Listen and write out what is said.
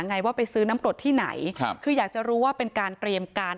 ไงว่าไปซื้อน้ำกรดที่ไหนครับคืออยากจะรู้ว่าเป็นการเตรียมการ